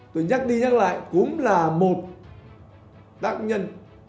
tôi nhắc đi nhắc lại cũng là một tác nhân